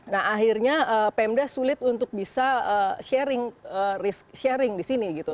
nah akhirnya pemda sulit untuk bisa sharing sharing di sini gitu